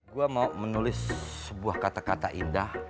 gue mau menulis sebuah kata kata indah